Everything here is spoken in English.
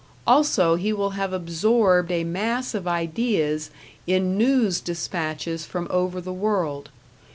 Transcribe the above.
Also he will have absorbed a mass of ideas in news despatches from over the world.